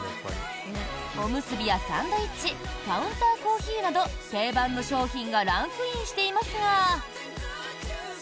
おむすびやサンドイッチカウンターコーヒーなど定番の商品がランクインしていますが。